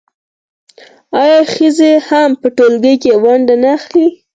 آیا ښځې هم په ټولنه کې ونډه نه اخلي؟